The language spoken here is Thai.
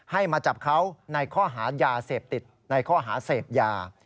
มาจับเขาในข้อหายาเสพติดในข้อหาเสพยา